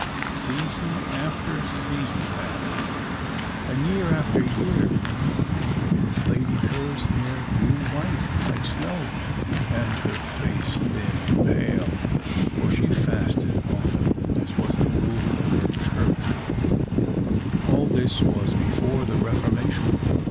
Season after season passed, and year after year. Lady Ker's hair grew white like snow, and her face thin and pale for she fasted often, as was the rule of her Church; all this was before the Reformation.